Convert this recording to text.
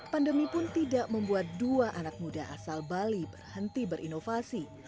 pandemi pun tidak membuat dua anak muda asal bali berhenti berinovasi